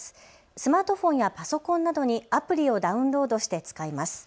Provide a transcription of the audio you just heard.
スマートフォンやパソコンなどにアプリをダウンロードして使います。